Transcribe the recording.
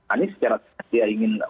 anies secara tegas dia ingin